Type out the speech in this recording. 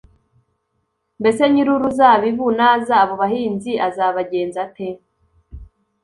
‘mbese nyir’uruzabibu naza, abo bahinzi azabagenza ate?’